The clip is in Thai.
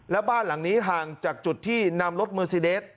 และบ้านหลังนี้ห่างจากจุดที่นำรถเมอร์ซีเดส